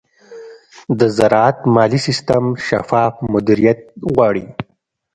د زراعت مالي سیستم شفاف مدیریت غواړي.